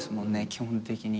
基本的に。